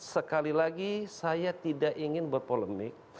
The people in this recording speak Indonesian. sekali lagi saya tidak ingin berpolemik